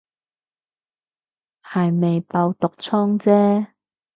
係未爆毒瘡姐